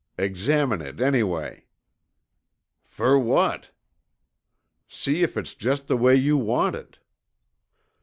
"Examine it anyway." "Fer what?" "See if it's just the way you want it!"